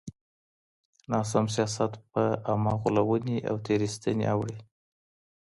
ناسم سياست په عامه غولوني او تېرايستني اوړي.